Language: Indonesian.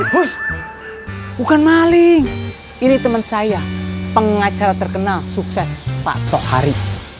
hush bukan maling ini temen saya pengacara terkenal sukses pak tok hari